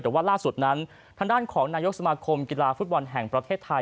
แต่ว่าล่าสุดนั้นทางด้านของนายกสมาคมกีฬาฟุตบอลแห่งประเทศไทย